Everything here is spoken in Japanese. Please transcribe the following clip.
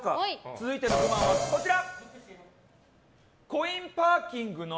続いての不満、こちら。